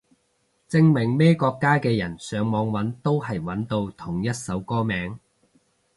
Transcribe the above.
證明咩國家嘅人上網搵都係搵到同一首歌名